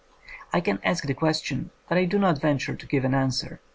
I can ask the question, but I do not venture to give an answer.